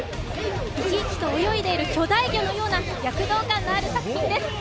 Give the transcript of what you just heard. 生き生きと泳いでいる巨大魚のような躍動感のある作品です。